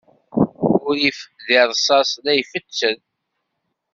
Urrif di rṣas la ifettel.